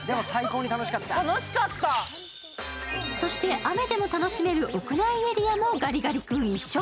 そして、雨でも楽しめる屋内エリアもガリガリ君一色。